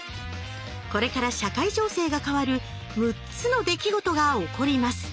これから社会情勢が変わる６つの出来事が起こります。